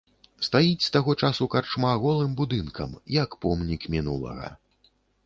Стаіць з таго часу карчма голым будынкам, як помнік мінулага.